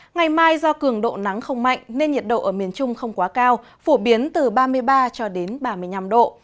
ngày mai do cường độ nắng không mạnh nên nhiệt độ ở miền trung không quá cao phổ biến từ ba mươi ba cho đến ba mươi năm độ